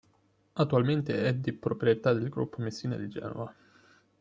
Attualmente è di proprietà del Gruppo Messina di Genova.